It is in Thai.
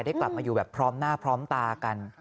กลับมาอยู่แบบพร้อมหน้าพร้อมตากัน